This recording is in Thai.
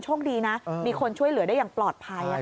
โชคดีนะมีคนช่วยเหลือได้อย่างปลอดภัย